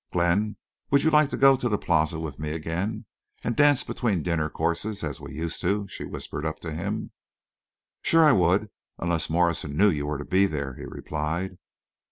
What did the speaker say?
"Glenn, would you like to go to the Plaza with me again, and dance between dinner courses, as we used to?" she whispered up to him. "Sure I would—unless Morrison knew you were to be there," he replied.